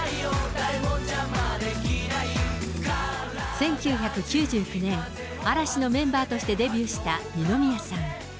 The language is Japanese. １９９９年、嵐のメンバーとしてデビューした二宮さん。